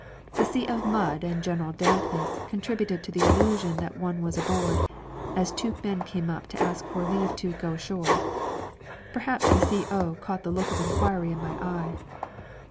The sea of mud and general dampness contributed to the illusion that one was aboard, as two men came up to ask for leave to "go ashore." Perhaps the C.O. caught the look of inquiry in my eye.